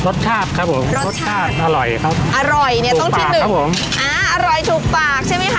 รสชาติครับผมรสชาติอร่อยครับอร่อยเนี้ยต้องที่หนึ่งครับผมอ่าอร่อยถูกปากใช่ไหมคะ